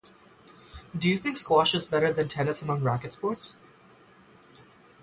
Do you think Squash is better than Tennis among Racket Sports?